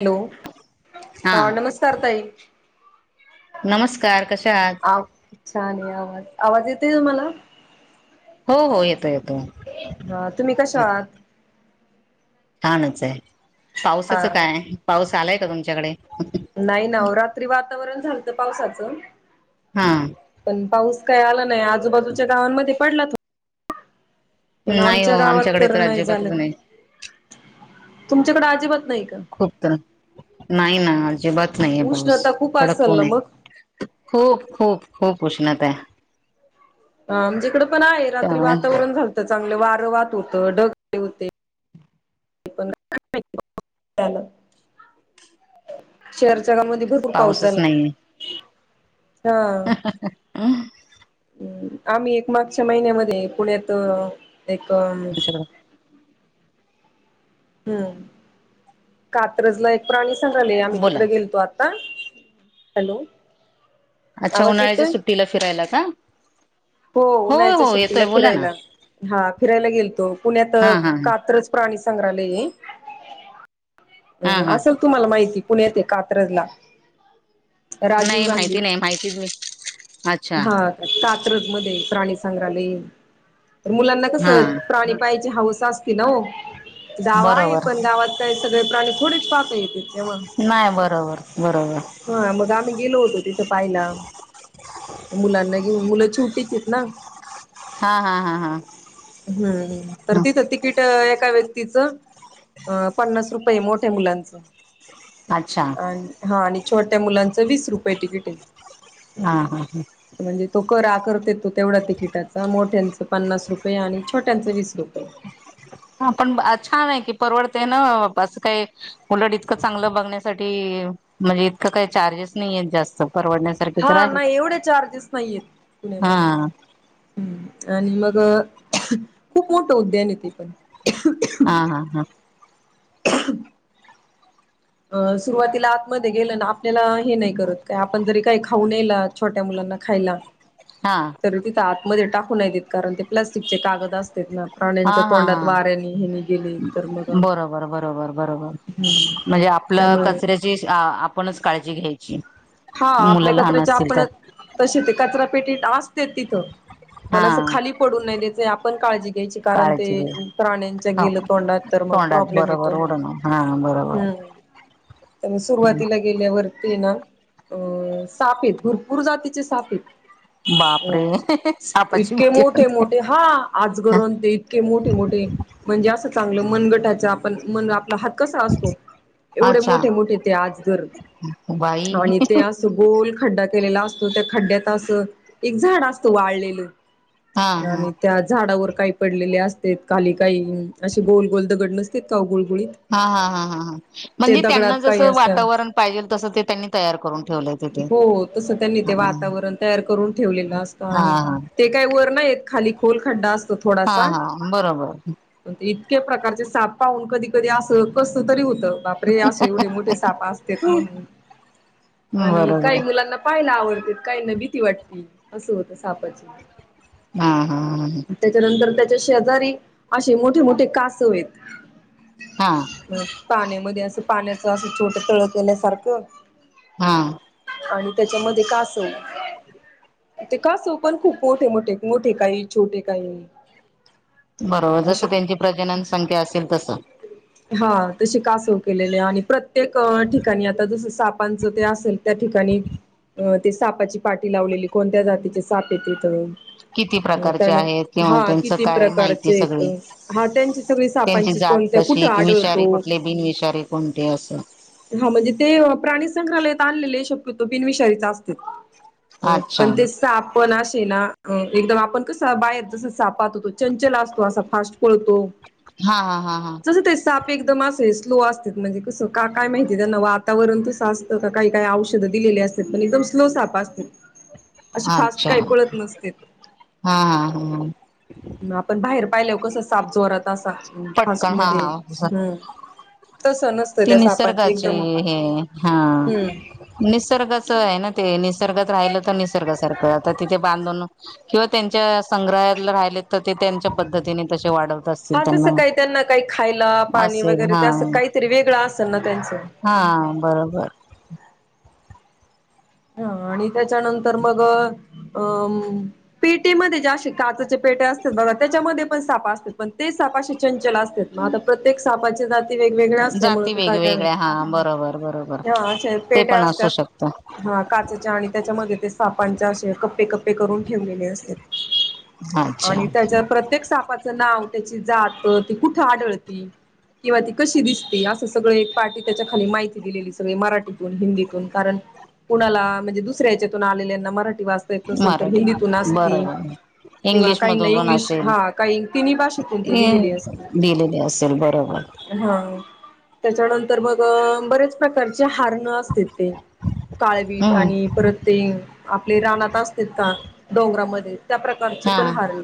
Hello हा नमस्कार ताई. नमस्कार कशा आहात? आ छान आवाज.. आवाज येतोय तुम्हाला? हो हो येतो येतो हा तुम्ही कशा येतो. आहात? छानच आहे हा पावसाचं काय पाऊस आलाय का तुमच्याकडे? नाही ना ओ रात्री वातावरण झालतं पावसाचं. हा.. पण पाऊस काही आला नाही आजूबाजूच्या गावांमध्ये पडला थोडा.. पण नाही हो आमच्या गावात आमच्याकडे तर नाही झालं. अजिबातच नाही तुमच्याकडं अजिबात नाही का खूप तर नाही ना अजिबात नाहीेये पाऊस उष्णता खूप कडक असेल उण ना मग आहे. खूप खूप खूप उष्णता आहे. ह आमच्या इकडे पण आहे रात्री त्यामुळे वातावरण झालतं चांगलं वारं वहात होतं ढग आले होते. [unintelligible] रां मध्ये भरपूर पाऊस पाऊसच झाला. नाहीये हा अं हम्. आम्ही एक मागच्या महिन्यामध्ये पुण्यात एक.. तुमच्याकडे हम्म कात्रजला एक प्राणी संग्रहलय आम्ही बोला तिकडे गेलतो आता. हॅलो. अच्छा आवाज उन्हाळ्याच्या सुट्टीला फिरायला का. होत हो उन्हाळ्याच्या हो सुट्टीला येतोय बोला ना फिरायला. हा फिरायला गेलतो पुण्यात हा हा हा कात्रच प्राणी सं्रहालय हा हा असेल तुम्हाला माहिती. पुण्यात आहे कात्रजला. राजीव नाही गांधी माहिती नाही माहितीच नाही अच्छा हा कात्रज मध्ये. प्राणी संग्रहालय मुलांना कस हा प्रा पायाची हवस अस गाव आहे बरोबर पण गावात काय त प्राणी थोडीच पाहता येतं तेव्हा. नाही बरोबर बरोबर हा मग आम्ही गेलो होतो तिथं पाहिला मुलांना... घेऊन मुलं छोटी होती ना! हा हा हा हा हम्म तर ह तिथं तिकीटे ए एका व्यक्तीच अ पन्नास रुपये मोठ्या मुलांचं. अच्छा अ हा आणि छोट्या मुलांच वीस रुपये तिकीट आहे. हा हा. करा करत येतो तेवढ्या तिकिटाचा मोठ्यांच पन्नास रुपये आणि छोट्यांचं वीस रुपये. हा पण छान आहे, की परवडत ना असं काय उलट इतकं चांगलं बघण्यासाठी म्हणजे इतकं काही चार्जेस नाहीय जास्त. परवडण्यासारखे तर हा आहेत नाही एवढे चार्जेस नाहीय हा हेत. [unintelligible] आणि मग खूप मोठं उद्यान येते पण, हा हा हा [unintelligible] अ सुरुवातीला आतमध्ये गेलं ना आपल्याला हे नाही करत काय आपण जरी काही खाऊ नल छोट्या मुला खायला हा तर तिथ आतमध्ये टाकू नाहीेत कारण ते प्लास्टिकचे कागद असते ना! हा प्राण्यांच्या हा हा, तोंडात वाऱ्याने हेनी गेले तर मग बरोबर! बरोबर! बरोबर! म्हणजे आपलं त्यामुळे कचऱ्याची आपणच काळजी घ्यायची. हा मुलं आपल्या लहान कचऱ्याचे असतील आपण तर तसे ते कचरा पेटी असते तिथं. हा पण असं खाली पडून नाही त्या्याच आपण काळजी घ्यायची कारण काळजी घे ते प्राण्यांच्या हो गेलं तोंडात तर तोंडात प्रब्लेम बरोबर येतो. ओढण हा बरोबर त्या सुरुवातीला गेल्यावरती ना! अ सापेत भरपूर जातीचे सापेत, बापरे! सापाची इतके भीती मोठे- मोठे वाटते. हा आजगरून ते इतके मोठे - मोठे म्हणजे असं चांगलं मनगटाच्या आपण आपल हात कसा असतो एवढे अच्छा मोठे- मोठे ते आजगर बाई आणि ते असं गोल खड्डा केलेला असतो त्या खड्ड्यात असं एक झाड असतं वाळलेलं. हा हा आणि त्या झाडावर, का पडले अस खाली काही असे गोल गोल दगड नसत का गोल हा हा हा ह ह म्हणजे दगडात त्यांना जस काही असतात वातावरण पाहिजेल तस ते त्यांनी तयार करून ठेवलं. हो तस त्यांनी ते वातावरण तयार करून ठेवलेलं असतं हा आणि ते काय वर नाहीय खाली, खोलखड्डा असतो हा थोडासा हा बरोबर इ प्रकारचे साप पाहून कधी- कधी अस कस तरी, बापरे! असे एवढे मोठे सापा असत म्हणून आणि बरोबर काही मुलांना पाहि ला आवडते काय न भीती वाटते असं होत सापाचं. हा हा ह ह त्याच्या शेजारी असे मोठे- मोठे कासव आहेत हा पाण्यात मध्ये अस पाण्याच असं छोट तळ केल्यासारखं हा. आणि त्याच्यामध्ये का असल. ते काासो पण खूप मोठे मोठे मोठे काही छोटे काही. बरोबर अ जसं त्यांची प्रजनन संख्या असेल तसं हा तशी कास केलेले आणि प्रत्येक ठिकाणी आता जस सापांच ते असेल त्या ठिकाणी अं ते सापाची पाठी लावलेली कोणत्या जातीचे साप येतेथ. किती प्रकारचे आहेत किंवा हा त्यांचं किती काय माहिती प्रकारचे येत सगळी हा त्यांची सगळी त्यांची सापांची. जात कोणत्या कुठं कशी की विषारी आढळतो कुठले बिनविषारी कोणते असं. हा म्हणजे ते प्राणी संग्रहालयात आणलेले शक्यतो बिनविषारीचा असते. अ अच्छा पण ते सापण असे ना. अ एकदम आपण कसं बाहेर जस सापात होतो चंचल असतो असा फास्ट पळतो. हा हा हा हा. म अस स्लो अस म्हणजे कस का काय माहिती त्यां वातावरण तसत. काही काही औषधं दिलेली असत पण एकदम स्लो साप असते. अशी फास्ट अच्छा काही पळत नसते हा हा हा आपण बाहेर पायल कसं साप जोरत असा फास्ट पटकन हा, मध्ये हा हम्म तसं नसतं ती त्या सापांचं निसर्गाची एकदम हे हा. हम्म ह निसर्गाच आहे ना ते नि निसर्गात राहिलं तर निसर्गासारखं आता तिथे बांधून. किंवा त्यांच्या संग्रहा राहिले तर ते त्यांच्या पद्धतीने तसे वाढवतात. हा तसं काही त्यांना काही खायला पाणी असेल वगैरे हा त्या असं काहीतरी वेगळं असेल ना त्यांचं हा बरोबर हा आणि त्याच्यानंतर मग अ पेटीमध्ये जे काचचे पेटे असत बघा त्याच्यामध्ये पण सापा असतात पण ते सापाचे चंचल असते मग आता प्रत्यक सापाचे वेगवेगळ असल्या मु जाती काय काय नाही वेगवेगळ्या हा बरोबर बरोबर हा असे ते पेट्या पण असू असतात. शकत हा काचाच्या आणि त्याच्यामध्ये ते सापांच्या असे कप्पे कप्पे करून ठेवलेले असत. अच्छा आणि त्याच्या प्रत्येक सापाचं नाव त्याची जात ती कुठे आढळती. किंवा ती कशी दिसते असं सगळं एक पार्टी त्याच्या खाली माहिती दिलेली सगळी मराठीतून हिंदीतून कारण. कुणाला म्हणजे दुसऱ्या याच्यातून आलेल्यांना मराठी वाचता येत नसेल तर मराठी हिंदीतून असती. बरोबर किंवा इंग्लिश काहीना मधून पण इंग्लिश असेल हा काही तिन्ही भाषेतून ते दिलेली असते असेल बरोबर हा त्याच्यानंतर मग बरेच प्रकारचे हारण असते ते. काळवीट आणि हम्म परत ते आपले रानात असते का डोंगरामध्ये त्या प्रकारची हा पण हारल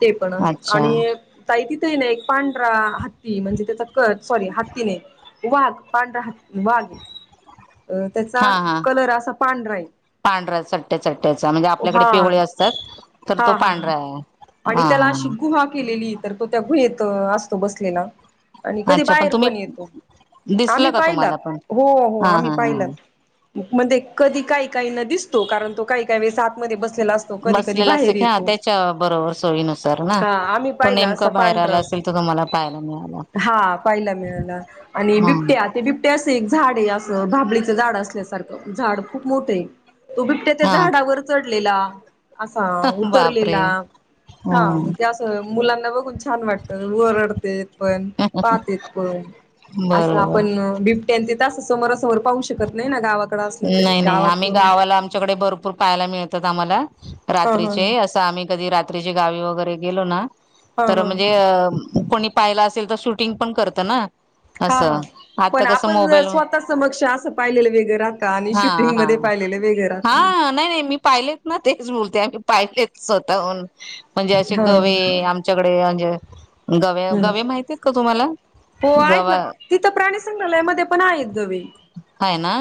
ते पण अच्छा आणि काहीती नाही एक पांढरा हत्ती म्हणजे त्याचा क सॉरी हत्ती नाही वाघ पांढरा ह वाघ अ त्याचा कलर असा पांढरा आहे. पांढरा्या चट्ट्या चट्ट्याचा म्हणजे आपल्याकडे हा पिवळे असतात तर तो हा हा पांढरा आहे. आणि हा त्याला अशी गुहा केलेली तर तो त्या गुहेेत असतो बसलेला आणि हा कधी अच्छा बाहेर तुम्ही पण येतो आम्ही दिसलं का पाहिला तुम्हाला पण हो हो हा आम्ही हा हा पाहिला. म्हणजे कधी काही काही न दिसतो कारण तो काही काही सात म बस अस कधी कधी बसलेला असत बाहेर की हा येतो त्याच्या बरोबर सोयीनुसार ना हा आम्ही तो पाहिला नेमका असा बाहेर आला पांढरा. असेल तर तुम्हाला पाहायला मिळाला हा पाहिला मिळाला आणि हा बिबट्या ते बिबट्या अस एक झाडे आहे. भाबळीचं झाड असल्यासारखं झाड खूप मोठं आहे तो बिबट्या त्या झाडावर चढलेला. असा हा बापरे उतरलेला हा मग हम्म ते असं मुलांना बघून छान वाटत. वरडत पण पाहेत पण असं बरोबर आपण बिबट्या त समोरासमोर पाहू शकत नाही ना गावात. नाही नाही आम्ही गावाला आमच्याकडे भरपूर पाहायला मिळतात आम्हाला हा हा रात्रीचे असं आम्ही कधी रात्रीचे गावी वगैरे गेलो ना. हा तर हा म्हणजे कोणी पाहिला असेल तर शूटिंग पण करत ना. हा हा असं आता पण कसं आपण मोबाईल स्वतः समक्ष असं पाहिलेलं वेगळं राहतं आणि हा शूटिंग हा मध्ये पाहिलेलं वेगळं राहतं ना हा नाही नाही मी पाहिलेत ना तेच बोलत ते आम्ही पाहिचेत स्वतःहून म्हणजे असे हा गवे आमच्याकडे म्हणजे, गव्या हम्म गवे माहिती आहेत का तुम्हांला? हो आहेत ना तिथं प्राणी संग्रालयया मध्ये पण आहेत गवे, हाय ना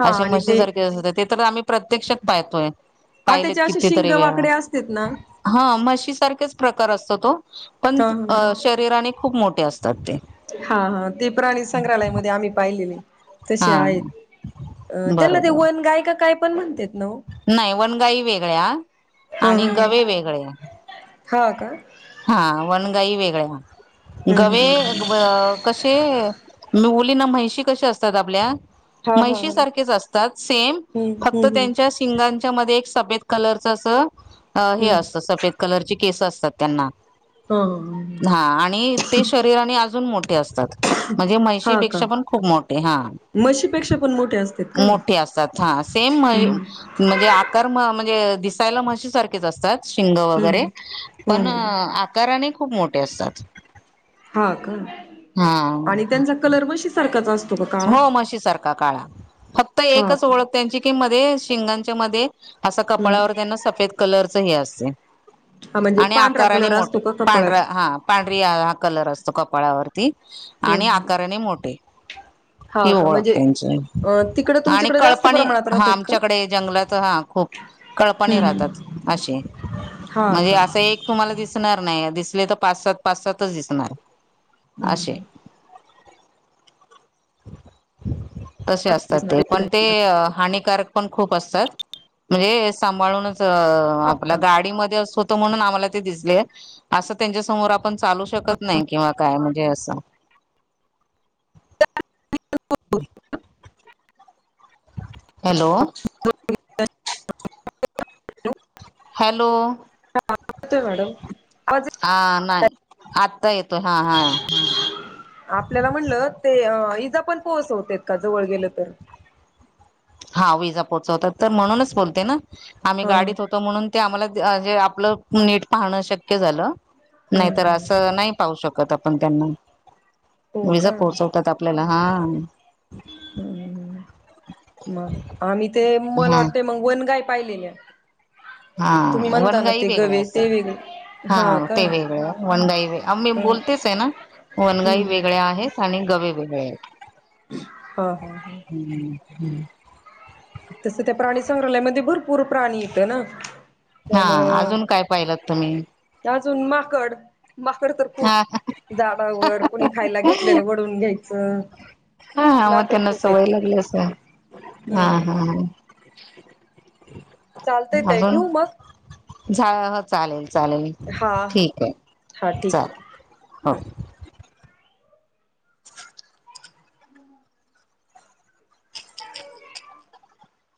हा असे आणि म्हशी ते सारखे असतात ते तर आम्ही प्रत्यक्षात पाहतोय. हा पाहिलेत त्याचे असे किती शिंग तरी वेळा वाकडे असतेत ना हा म्हशीसारखेच प्रकार असतो तो पण हा शरीराने खूप मोठे असतो. हा हा ते प्राणी संग्रहालयामध्ये आम्ही पाहिलेले, तसे हा आहेत अ त्यानला ते बरोबर वन गाय का काय पण म्हणत्यात ना वो? नाही वनगाई वेगळ्या ह आणि हा गवे वेगळे हा हा का हा वनगाई वेगळ्या हम् गवे कशे मुली ना म्हैशी कश्या असतात आपल्या हा हा म्हैशी सारखेच असतात सेम हम्म फक्त हम्म त्यांच्या शिंगांच्या मध्ये एक सफेद कलरच अस हे हम्म असत सफेद कलरची केस असतात त्यांना हम्म हा आणि ते शरीरा आणि अजून मोठे असतात म्हणजे हा हा का म्हैशीपेक्षा पण खूप मोठे हा म्हशीपेक्षा पण मोठे असतात का मोठे असतात हा सेम हम्म म्हणजे आकार म्हणजे दिसायला म्हशी सारखेच असतात शिंग वगैरे हम्म पण हम्म आकाराने खूप मोठे असतात. हा का हा आणि त्यांचा कलर म्हशी सारखाच असतो. का काळा? हो मशी सारखा काळा फक्त हा एकच का ओळख त्यांची की मध्ये शिंगांच्या मध्ये असं हम्म कपाळावर त्यांना सफेद कलरच हे असतय हा म्हणजे आणि पांढरा आकाराने कलर मोठ असतो का कपाळात? पांढरा हा पांढरी हा कलर असतो कपाळावर ती हम्म आणि हम्म. आकाराने मोठे ही हा का ओळख म्हणजे त्यांची अ तिकडे आणि तुमच्याकडे जास्त कळपानी प्रमाणात हा राहतेत का? आमच्याकडे जंगलात हा खूप कळपाणी राहतात हम्म अशे हा म्हणजे का असं एक तुम्हाला दिसणार नाही दिसले तर पाच सात -पाच सातच दिसणार अशे अशे हा असतात ते पण ते हानिकारक पण खूप असतात म्हणजे सांभाळूनच आपल्या का गाडीमध्ये असोत म्हणून आम्हाला ते दिसले असं त्यांच्या समोर आपण चालू शकत नाही किंवा काय म्हणजे असं [inaudible] हॅलो हॅलो येतोय मॅडम आवाज हा नाही आत ता येतोय हा हा आपल्याला म्हणलं ते इजा पण पोहोचवतेत का जवळ गेलं तर हा विजा पोहोचवतात तर म्हणूनच बोलते ना आम्ही हा हा गाडीत होतो हम्म म्हणून ते आम्हांला जे आपलं नीट पाहण शक्य झालं नाहीतर हम्म असं नाही पाहू शकत. कत आपण त्यांना हो विजा पोहोचवतात आपल्याला हा हुं हू हुं मग आम्ही ते मला हा वाटतंय मग वनगाय पाहिलेल्या हा तुम्ही म्हणता ना वनगाई ते वेगळया गवे ते असतात. वेगळे हा ते का वेगळं वनगाई आम मी ह बोलतेच आहे ना वनगाई हम्म वेगळ्या आहेत, आणि गवे वेगळे आहेत. हा हा हा हू तसं त्या प्राणी संग्रहालयमध्ये भरपूर प्राणी येतं ना हा त्यामुळं अजून काय पाहिलंत तुम्ही? अजून माकड माकड तर खूप हा झाडावर कोणी खायला घेतलेलं वडून घ्यायचं अ हा मग नाकडं त्यांना खूप सवय आहेतेत लागली अस हा हम्म हा चालतयेतय अजून ठेवऊ मग झा हो चालेल चालेल हा हा ठीक हा आहे ठीक आहे ठीक चाले आहे. होके